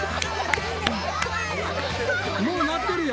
もうなってるよ。